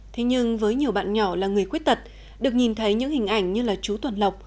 thế nhưng với nhiều bạn nhỏ là người khuyết tật được nhìn thấy những hình ảnh như là chú tuần lộc